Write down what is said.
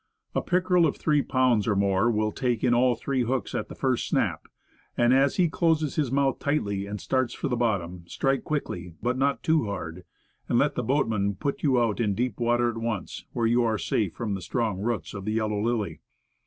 A pickerel of three pounds or more will take in all three hooks at the first snap; and, as he closes his mouth tightly and starts for the bottom, strike quickly, but not too hard, and let the boatman put you out into deep water at once, where you are safe from the strong roots of the yellow lily.